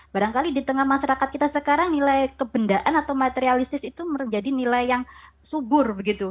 barangkali di tengah masyarakat kita sekarang nilai kebendaan atau materialistis itu menjadi nilai yang subur begitu